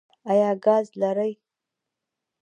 ایا ګاز لرئ؟